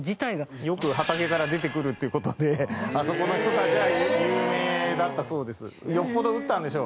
よく畑から出てくるっていう事であそこの人たちは有名だったそうです。